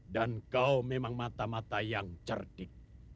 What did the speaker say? dan kau memang mata mata yang cerdik